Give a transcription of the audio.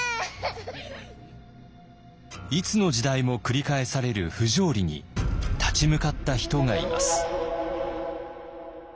いつの時代も繰り返される不条理に立ち向かった人がいます。